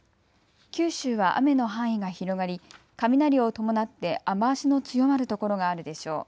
九州は雨の範囲が広がり雷を伴って雨足の強まる所があるでしょう。